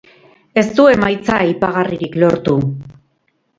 Ez du emaitza aipagarririk lortu.